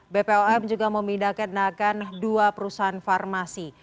bpom juga memindahkan dua perusahaan farmasi